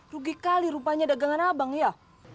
rugi kali rupanya dagangan abang ya